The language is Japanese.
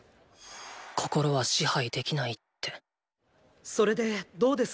心は支配できないってそれでどうです？